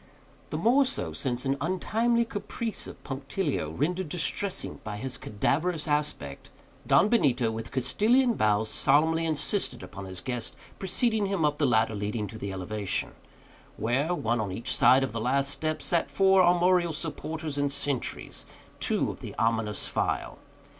The more so, since, with an untimely caprice of punctilio, rendered distressing by his cadaverous aspect, Don Benito, with Castilian bows, solemnly insisted upon his guest's preceding him up the ladder leading to the elevation; where, one on each side of the last step, sat for armorial supporters and sentries two of the ominous file.